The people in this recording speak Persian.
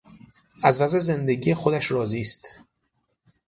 از وضع زندگی خودش راضی است.